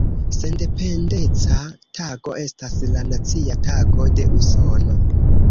Sendependeca Tago estas la Nacia Tago de Usono.